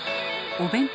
お弁当？